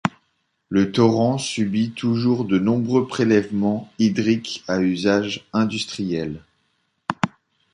Le torrent subit toujours de nombreux prélèvements hydriques à usage industriel.